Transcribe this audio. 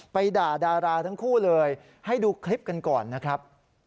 ด่าดาราทั้งคู่เลยให้ดูคลิปกันก่อนนะครับ